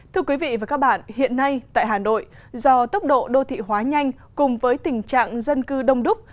thưa quý vị và các bạn hiện nay tại hà nội do tốc độ đô thị hóa nhanh cùng với tình trạng dân cư đông đúc